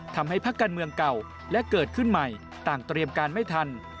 เตรียมการไม่ทัน